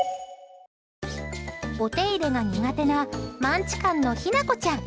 お手入れが苦手なマンチカンのひな子ちゃん。